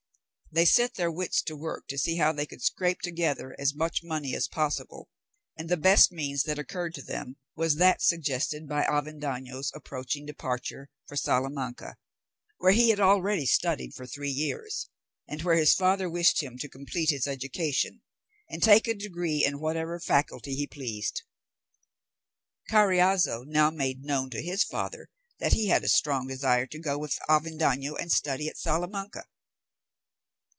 They set their wits to work to see how they could scrape together as much money as possible, and the best means that occurred to them was that suggested by Avendaño's approaching departure for Salamanca, where he had already studied for three years, and where his father wished him to complete his education, and take a degree in whatever faculty he pleased. Carriazo now made known to his father that he had a strong desire to go with Avendaño and study at Salamanca.